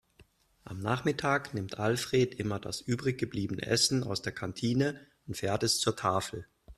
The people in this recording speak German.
Am Nachmittag nimmt Alfred immer das übrig gebliebene Essen aus der Kantine und fährt es zur Tafel.